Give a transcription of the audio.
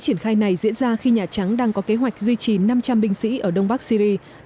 triển khai này diễn ra khi nhà trắng đang có kế hoạch duy trì năm trăm linh binh sĩ ở đông bắc syri